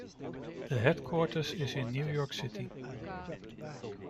The headquarters is in New York City.